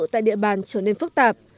tại địa bàn trở nên phức tạp